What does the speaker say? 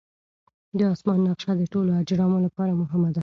د اسمان نقشه د ټولو اجرامو لپاره مهمه ده.